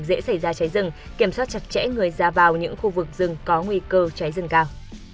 dễ xảy ra cháy rừng kiểm soát chặt chẽ người ra vào những khu vực rừng có nguy cơ cháy rừng cao